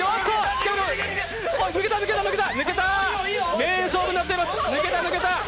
名勝負になっています。